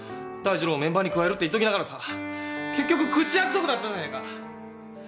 大二郎をメンバーに加えるって言っときながらさ結局口約束だったじゃねえか。